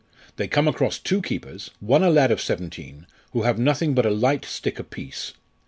They come across two keepers, one a lad of seventeen, who have nothing but a light stick apiece.